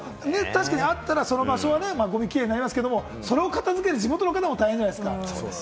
あったら、その場所はゴミはキレイになりますけれど、それを片付ける地元の方も大変じゃないですか？